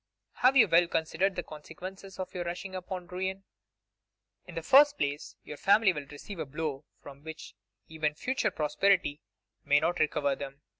Have you well considered the consequences of your rushing upon ruin? In the first place, your family will receive a blow from which even future prosperity may not recover them.